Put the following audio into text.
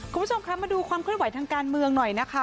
คุณผู้ชมคะมาดูความเคลื่อนไหวทางการเมืองหน่อยนะคะ